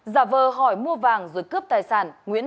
giả vờ hỏi mua vàng rồi cướp tài sản